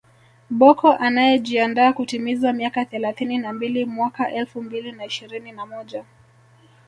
Bocco anayejiandaa kutimiza miaka thelathini na mbili mwaka elfu mbili na ishirini na moja